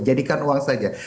jadikan uang saja